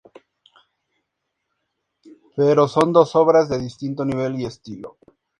Pero son dos obras de distinto nivel y estilo.